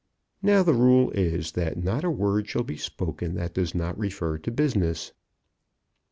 Now the rule is that not a word shall be spoken that does not refer to business.